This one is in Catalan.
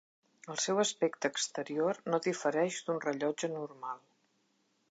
El seu aspecte exterior no difereix d'un rellotge normal.